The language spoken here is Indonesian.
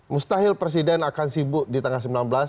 mustahil presiden akan sibuk di tanggal sembilan belas